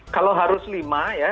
kalau harus lima ya